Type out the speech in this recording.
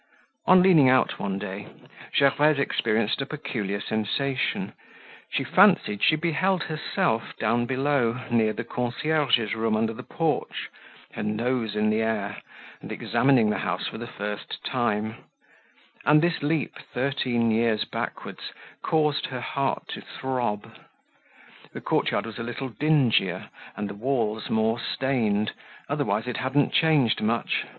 On leaning out one day, Gervaise experienced a peculiar sensation: she fancied she beheld herself down below, near the concierge's room under the porch, her nose in the air, and examining the house for the first time; and this leap thirteen years backwards caused her heart to throb. The courtyard was a little dingier and the walls more stained, otherwise it hadn't changed much.